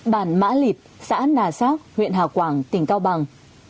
bản mã lịp xã nà xác huyện hà quảng tỉnh cao bằng